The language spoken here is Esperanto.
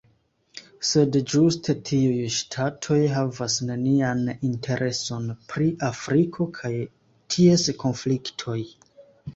Sed ĝuste tiuj ŝtatoj havas nenian intereson pri Afriko kaj ties konfliktoj.